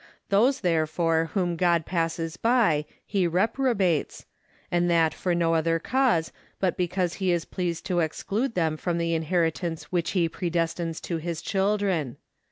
Those therefore whom God passes by he reprobates, and that for no other cause but because he is pleased to exclude them from the inheritance which he predestines to his children.